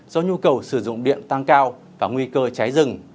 do nhu cầu sử dụng điện tăng cao và nguy cơ cháy rừng